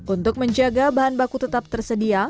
untuk menjaga bahan baku tetap tersedia